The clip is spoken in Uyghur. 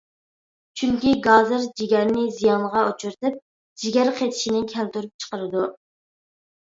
چۈنكى گازىر جىگەرنى زىيانغا ئۇچرىتىپ، جىگەر قېتىشنى كەلتۈرۈپ چىقىرىدۇ.